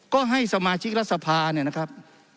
ก็ให้สมาชิกรัฐสภาเนี่ยนะครับ